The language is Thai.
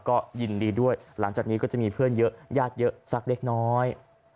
ก็ยินดีด้วยหลังจากนี้ก็จะมีเพื่อนเยอะญาติเยอะสักเล็กน้อย